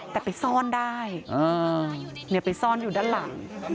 แต่ไปซ่อนได้ไปซ่อนอยู่ด้านหลัง